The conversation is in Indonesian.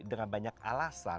dengan banyak alasan